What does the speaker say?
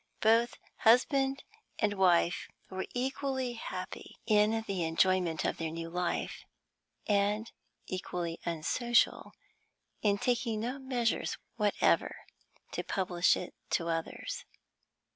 Both husband and wife were equally happy in the enjoyment of their new life, and equally unsocial in taking no measures whatever to publish it to others.